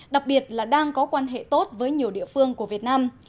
đặc biệt là đang có quan hệ tốt với nhiều địa phương của việt nam